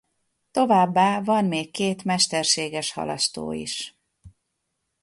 Továbbá van még két mesterséges halastó is.